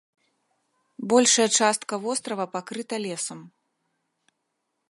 Большая частка вострава пакрыта лесам.